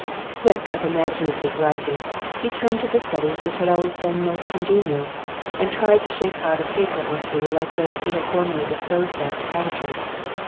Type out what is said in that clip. Sick of imaginative writing, he turned to the studies which had always been most congenial, and tried to shape out a paper or two like those he had formerly disposed of to editors.